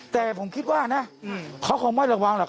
แต่ผมคิดว่านะเขาคงไม่ระวังหรอก